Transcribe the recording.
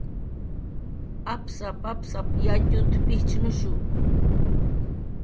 "Apsap"" apsap"" yatxut"" pijchnushu"